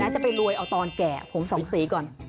จะไปรวยเอาตอนแก่ผมสองสีก่อน